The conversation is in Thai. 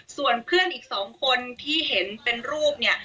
ส่วนเพื่อนอีก๒คนที่เห็นเป็นรูปเนี่ย